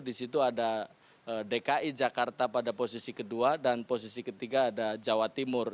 di situ ada dki jakarta pada posisi kedua dan posisi ketiga ada jawa timur